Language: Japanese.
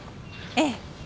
ええ。